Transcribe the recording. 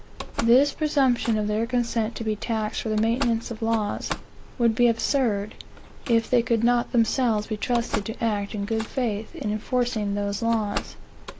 This presumption of their consent to be taxed for the maintenance of laws, would be absurd, if they could not themselves be trusted to act in good faith in enforcing those laws.